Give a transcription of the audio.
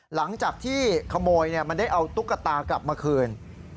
หลังจากที่ขโมยมันได้เอาตุ๊กตากลับมาคืน